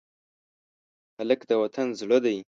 هلک د وطن زړه دی.